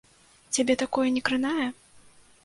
Цябе такое не кранае?